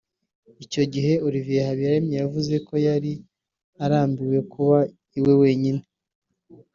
Icyo gihe Olivier Habiyaremye yavuze ko yari arambiwe kuba iwe wenyine